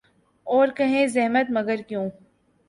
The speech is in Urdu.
اور کہیں زحمت ، مگر کیوں ۔